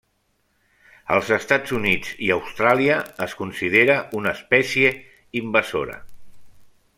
Als Estats Units i Austràlia es considera una espècie invasora.